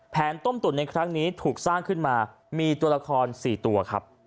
ต้มตุ๋นในครั้งนี้ถูกสร้างขึ้นมามีตัวละคร๔ตัวครับ